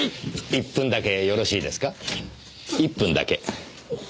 １分だけ。